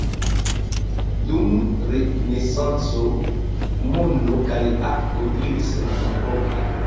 Dum Renesanco, mono kaj arto iris reciproke.